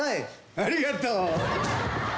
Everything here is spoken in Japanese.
ありがとう。